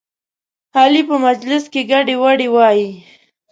علي په مجلس کې ګډې وډې وایي.